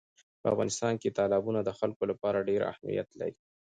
په افغانستان کې تالابونه د خلکو لپاره ډېر اهمیت لري.